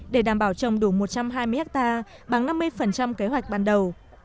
để đảm bảo trồng đủ một trăm hai mươi hectare bằng năm mươi kế hoạch ban đầu